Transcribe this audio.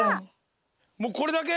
もうこれだけ？